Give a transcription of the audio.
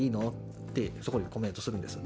ってそこでコメントするんですよ。